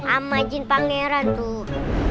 ama jin pangeran tuh